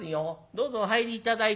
どうぞお入り頂い。